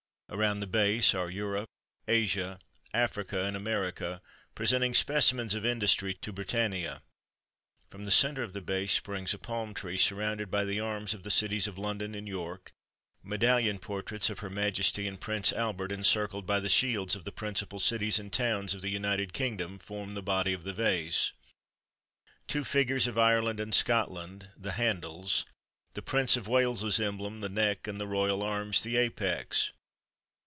Around the base are Europe, Asia, Africa, and America, presenting specimens of industry to Britannia. From the centre of the base springs a palm tree, surrounded by the arms of the cities of London and York; medallion portraits of her Majesty and Prince Albert, encircled by the shields of the principal cities and towns of the United Kingdom, form the body of the vase; two figures of Ireland and Scotland the handles; the Prince of Wales's emblem the neck, and the royal arms the apex.